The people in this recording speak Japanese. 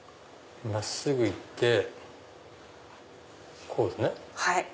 真っすぐ行ってこうですね。